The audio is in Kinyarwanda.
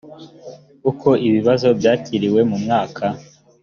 uko ibibazo byakiriwe mu mwaka